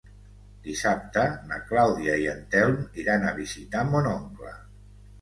Dissabte na Clàudia i en Telm iran a visitar mon oncle.